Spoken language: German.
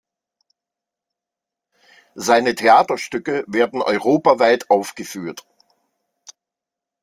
Seine Theaterstücke werden europaweit aufgeführt.